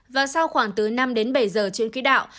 và sau khoảng từ năm đến bảy giờ trên khí đạo